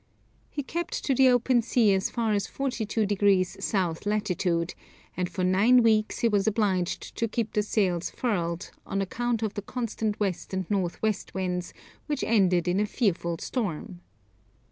He kept to the open sea as far as 42 degrees south latitude, and for nine weeks he was obliged to keep the sails furled, on account of the constant west and north west winds, which ended in a fearful storm.